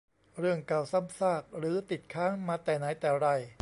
เรื่องเก่าซ้ำซาก หรือติดค้างมาแต่ไหนแต่ไร